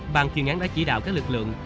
bàn chuyên án đã chỉ đạo các lực lượng